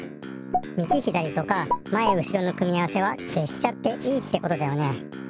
みぎひだりとかまえうしろの組み合わせはけしちゃっていいってことだよね。